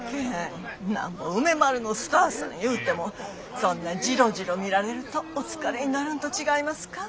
なんぼ梅丸のスターさんいうてもそんなジロジロ見られるとお疲れになるんと違いますか？